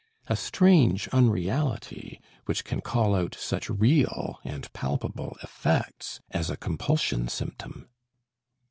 A strange unreality which can call out such real and palpable effects as a compulsion symptom!